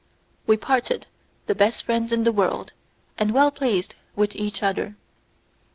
We parted the best friends in the world and well pleased with each other.